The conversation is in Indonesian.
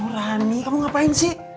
rani kamu ngapain sih